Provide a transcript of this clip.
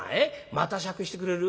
また酌してくれる？